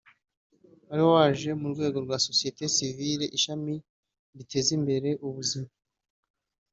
wari waje mu rwego rwa sosiyeti sivili ishami riteza imbere ubuzima